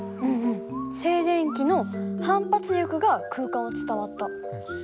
うんうん静電気の反発力が空間を伝わった。